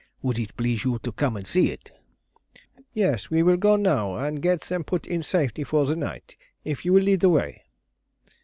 Would it please you to come and see it?" "Yes, we will go now and get them put in safety for the night, if you will lead the way."